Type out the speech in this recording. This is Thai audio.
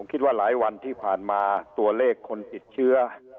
คิดว่าหลายวันที่ผ่านมาตัวเลขคนติดเชื้อ